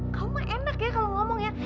kamu enak ya kalau ngomong ya